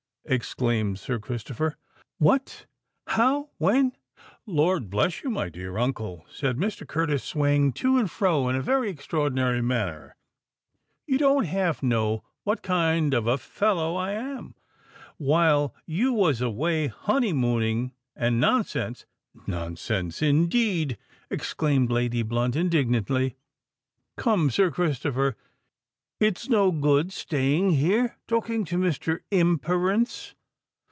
exclaimed Sir Christopher. "What—how—when——" "Lord bless you, my dear uncle," said Mr. Curtis, swaying himself to and fro in a very extraordinary manner, "you don't half know what kind of a fellow I am. While you was away honeymooning and nonsense——" "Nonsense, indeed!" exclaimed Lady Blunt, indignantly. "Come, Sir Christopher—it's no good staying here talking to Mr. Imperance."